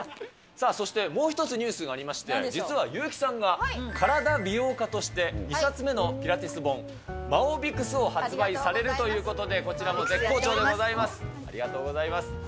さあそして、もう一つニュースがありまして、実は優木さんが、身体美容家として、２冊目のピラティス本、マオビクスを発売されるということで、こちらも絶好調でございます。